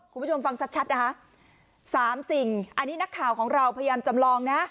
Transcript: คุณผู้ชมฟังชัดชัดนะคะสามสิ่งอันนี้นักข่าวของเราพยายามจำลองนะ